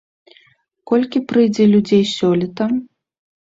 Колькі прыйдзе людзей сёлета?